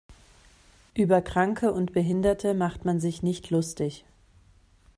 Über Kranke und Behinderte macht man sich nicht lustig.